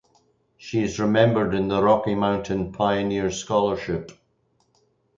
She is remembered in the Rocky Mountain "Pioneer Scholarship".